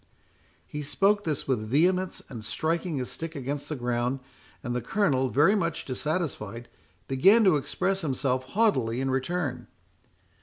He spoke this with vehemence, and striking his stick against the ground; and the Colonel, very much dissatisfied, began to express himself haughtily in return.